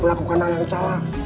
melakukan hal yang salah